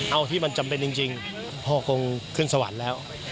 เอาที่มันจำเป็นจริงพ่อคงขึ้นสวรรค์แล้ว